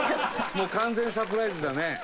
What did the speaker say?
もう完全サプライズだね。